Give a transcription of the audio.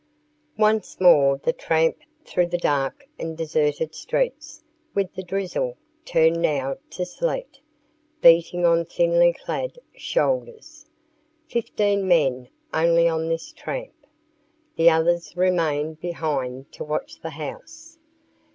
IV Once more the tramp through the dark and deserted streets, with the drizzle turned now to sleet beating on thinly clad shoulders. Fifteen men only on this tramp. The others remained behind to watch the house.